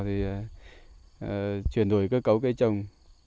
thì chuyển đổi cơ cấu cây trồng